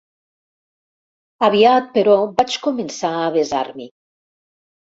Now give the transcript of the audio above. Aviat, però, vaig començar a avesar-m'hi.